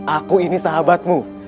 aku ini sahabatmu